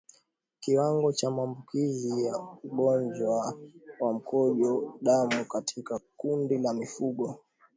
Kiwango cha maambukizi ya ugonjwa wa mkojo damu katika kundi la mifugo